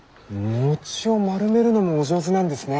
餅を丸めるのもお上手なんですね。